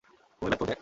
তুমি ব্যর্থ, জ্যাক।